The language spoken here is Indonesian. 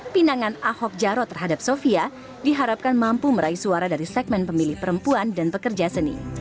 pinangan ahok jarot terhadap sofia diharapkan mampu meraih suara dari segmen pemilih perempuan dan pekerja seni